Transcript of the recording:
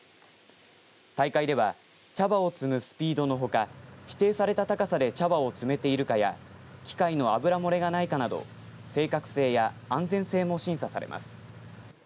大会では茶葉を摘むスピードのほか指定された高さで茶葉を摘めているかや機械の油漏れがないかなど正確性や安全性も審査されます。